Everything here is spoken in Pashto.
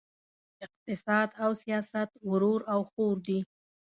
اقتصاد او سیاست ورور او خور دي!